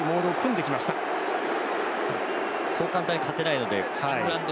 そう簡単に勝てないのでイングランド